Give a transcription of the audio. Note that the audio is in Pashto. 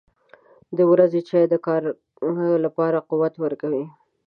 • د ورځې چای د کار لپاره قوت ورکوي.